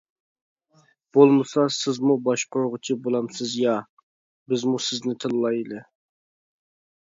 بولمىسا سىزمۇ باشقۇرغۇچى بولامسىز يا؟ بىزمۇ سىزنى تىللايلى.